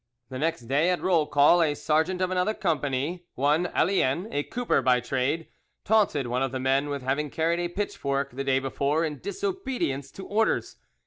The next day, at roll call, a sergeant of another company, one Allien, a cooper by trade, taunted one of the men with having carried a pitchfork the day before, in disobedience to orders.